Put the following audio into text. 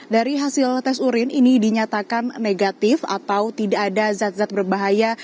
dari hasil tes urin ini dinyatakan negatif atau tidak ada zat zat berbahaya